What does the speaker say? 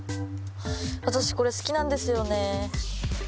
私これ好きなんですよね